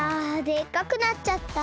でっかくなっちゃった。